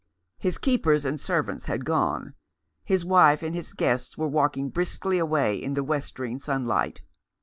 His keepers and servants had gone ; his wife and his guests were walking briskly away in the westering sunlight.